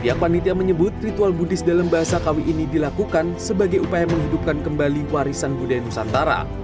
pihak panitia menyebut ritual buddhis dalam bahasa kawi ini dilakukan sebagai upaya menghidupkan kembali warisan budaya nusantara